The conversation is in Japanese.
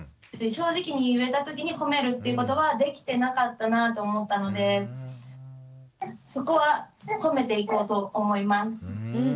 正直に言えたときにほめるということはできてなかったなと思ったのでそこはほめていこうと思います。